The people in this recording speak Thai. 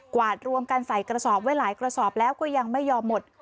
วาดรวมกันใส่กระสอบไว้หลายกระสอบแล้วก็ยังไม่ยอมหมด